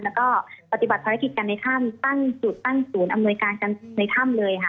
แล้วก็ปฏิบัติภารกิจกันในถ้ำตั้งจุดตั้งศูนย์อำนวยการกันในถ้ำเลยค่ะ